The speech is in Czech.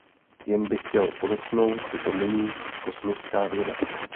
Jen bych chtěl podotknout, že to není kosmická věda.